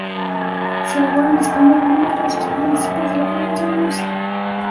Se elabora en España, en numerosos municipios de la provincia de Murcia.